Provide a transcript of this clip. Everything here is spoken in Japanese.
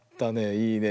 いいね。